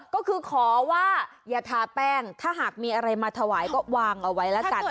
ก็คือขอว่าอย่าทาแป้งถ้าหากมีอะไรมาถวายก็วางเอาไว้แล้วกัน